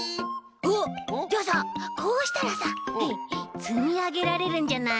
あっじゃあさこうしたらさつみあげられるんじゃない？